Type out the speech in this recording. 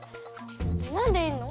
なんでいんの？